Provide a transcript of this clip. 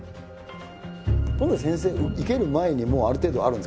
こういうの先生生ける前にもうある程度あるんですか？